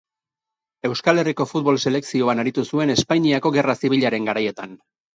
Euskal Herriko futbol selekzioan aritu zuen Espainiako Gerra Zibilaren garaietan.